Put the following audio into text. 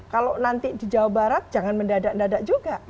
kalau nanti di jawa barat jangan mendadak dadak juga